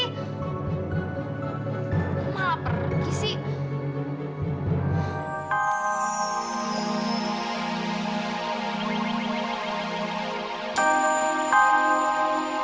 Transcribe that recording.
kamu malah pergi sih